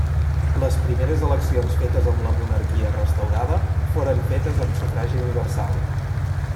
Les primeres eleccions fetes amb la monarquia restaurada foren fetes amb sufragi universal.